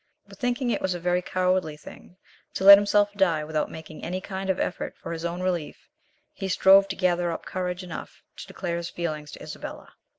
But thinking it was a very cowardly thing to let himself die without making any kind of effort for his own relief, he strove to gather up courage enough to declare his feelings to Isabella.